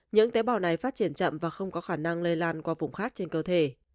những tế bào này phát triển chậm và không có khả năng lây lan qua vùng khác trên cơ thể